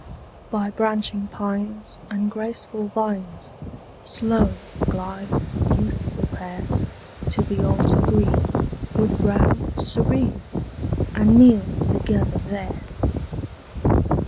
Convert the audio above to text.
By branching pines and graceful vines, Slow glides the youthful pair To the altar green, with brow serene, And kneel together there.